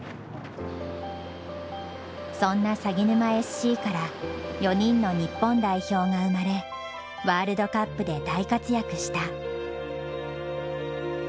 そんなさぎぬまＳＣから４人の日本代表が生まれワールドカップで大活躍した。